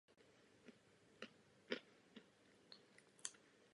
Sídlí ve městě Miami na Floridě.